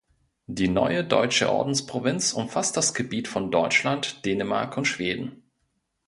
Die neue deutsche Ordensprovinz umfasst das Gebiet von Deutschland, Dänemark und Schweden.